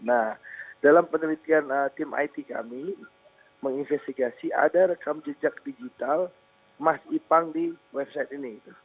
nah dalam penelitian tim it kami menginvestigasi ada rekam jejak digital mas ipang di website ini